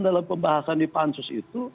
dalam pembahasan di pansus itu